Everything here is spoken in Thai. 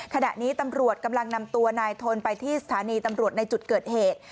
ขณะนี้ตำรวจกำลังนำตัวนายทนไปที่สถานีตำรวจในจุดเกิดเหตุ